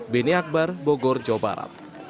beni akbar bogor jawa barat